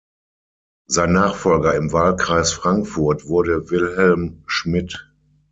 Sein Nachfolger im Wahlkreis Frankfurt wurde Wilhelm Schmidt.